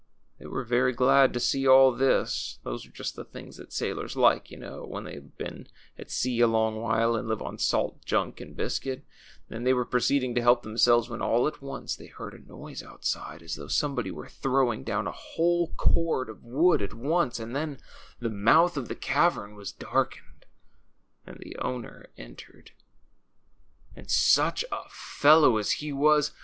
They were very glad to see all this (those are just the things that sailors like, you know, when they have been at sea a long while and lived on salt junk and biscuit), and they were proceeding to help themselves, when all at once they heard a noise outside, as though somebody were throwing down a whole cord of wood at once, and then the mouth of the cavern was darkened, and the owner entered. And such a fellow as he was